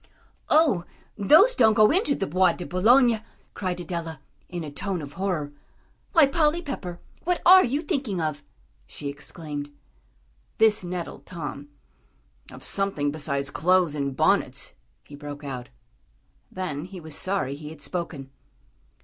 "Oh, those don't go into the Bois de Boulogne," cried Adela, in a tone of horror. "Why, Polly Pepper, what are you thinking of?" she exclaimed. This nettled Tom. "Of something besides clothes and bonnets," he broke out. Then he was sorry he had spoken.